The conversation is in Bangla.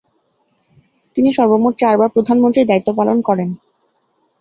তিনি সর্বমোট চারবার প্রধানমন্ত্রীর দায়িত্ব পালন করেন।